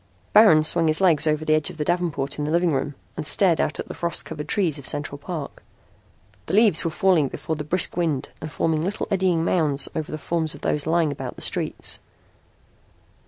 Baron swung his legs over the edge of the davenport in the living room and stared out at the frost covered trees of Central Park. The leaves were falling before the brisk wind and forming little eddying mounds over the forms of those lying about the streets.